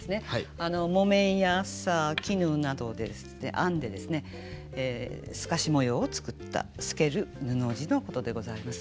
木綿や麻絹などで編んで透かし模様を作った透ける布地のことでございます。